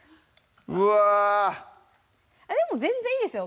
うわぁでも全然いいですよ